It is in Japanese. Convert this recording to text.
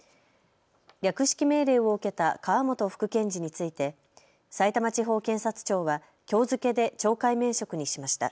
略式命令を受けた川本副検事についてさいたま地方検察庁はきょう付けで懲戒免職にしました。